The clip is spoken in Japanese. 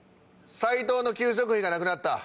サイトウの給食費がなくなった。